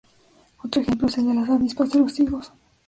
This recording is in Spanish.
Otro ejemplo es el de las avispas de los higos.